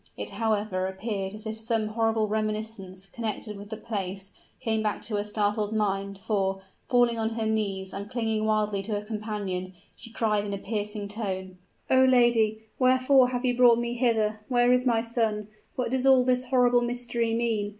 It, however, appeared as if some horrible reminiscence, connected with the place, came back to her startled mind; for, falling on her knees, and clinging wildly to her companion, she cried in a piercing tone, "Oh! lady, wherefore have you brought me hither? where is my son? what does all this horrible mystery mean?